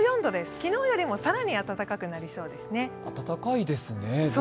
昨日よりも更に暖かくなりそうですね。